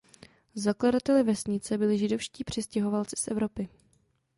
Zakladateli vesnice byli židovští přistěhovalci z Evropy.